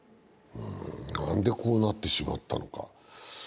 何でこうなってしまったのか。